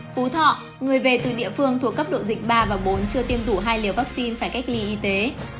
phú thọ người về từ địa phương thuộc cấp độ dịch ba và bốn chưa tiêm đủ hai liều vaccine phải cách ly y tế